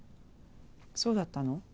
そうだったの？